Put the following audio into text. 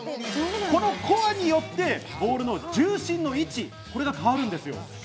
このコアによってボールの重心の位置、これが変わるんです。